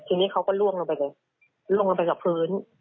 ทีนี้เขาก็ล่วงลงไปเลยล่วงลงไปกับพื้น